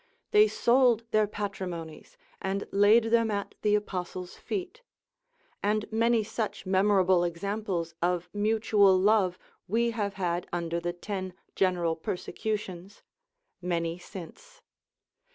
they sold their patrimonies, and laid them at the apostles' feet, and many such memorable examples of mutual love we have had under the ten general persecutions, many since.